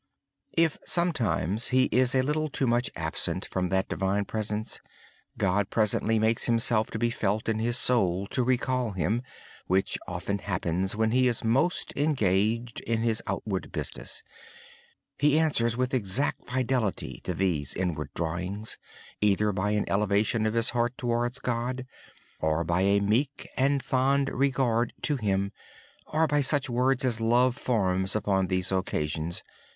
If sometimes he becomes a little distracted from that Divine presence, God gently recalls Himself by a stirring in his soul. This often happens when he is most engaged in his outward chores and tasks. He answers with exact fidelity to these inward drawings, either by an elevation of his heart towards God, or by a meek and fond regard to Him, or by such words as love forms upon these occasions.